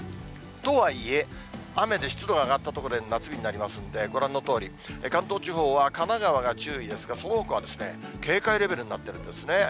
とはいえ、雨で湿度が上がったことで、夏日になりますんで、ご覧のとおり、関東地方は神奈川が注意ですが、そのほかはですね、警戒レベルになってるんですね。